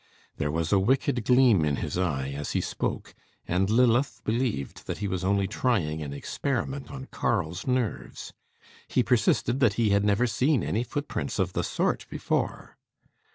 There was a wicked gleam in his eye as he spoke; and Lilith believed that he was only trying an experiment on Karl's nerves. He persisted that he had never seen any footprints of the sort before.